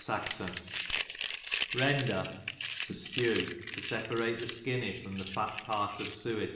^» Render, to slew, to ctpurate the skinny jrom the fat parf of suet.